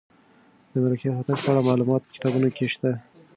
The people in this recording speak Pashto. د ملکیار هوتک په اړه معلومات په کتابونو کې شته.